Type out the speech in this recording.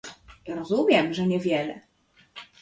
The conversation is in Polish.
Rozumiem, że niewiele